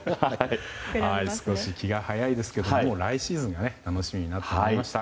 少し気が早いですけども来シーズン楽しみになってきました。